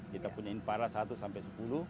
kita punya inpara satu sampai sepuluh